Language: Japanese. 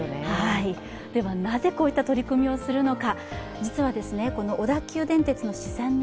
なぜこういった取り組みをするのか。